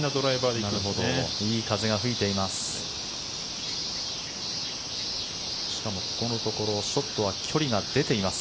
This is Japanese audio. いい風が吹いています。